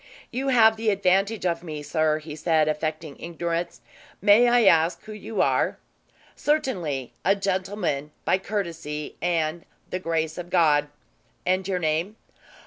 "You have the advantage of me, sir," he said affecting ignorance. "May I ask who you are?" "Certainly. A gentlemen, by courtesy and the grace of God." "And your name?"